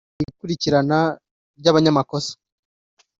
mu ikurikirana ry’ abanyamakosa